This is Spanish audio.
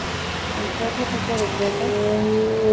Entre otro tipo de cosas